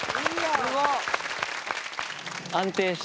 すごっ。